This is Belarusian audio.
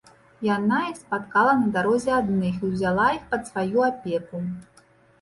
Яна іх спаткала на дарозе адных і ўзяла іх пад сваю апеку.